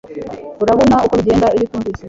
Urabona uko bigenda iyo utumvise